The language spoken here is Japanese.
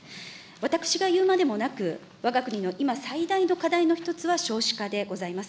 私が言うまでもなく、わが国の今最大の課題の一つは少子化でございます。